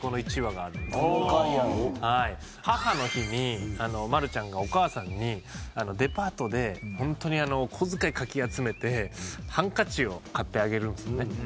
母の日にまるちゃんがお母さんにデパートでホントにお小遣いかき集めてハンカチを買ってあげるんですよね。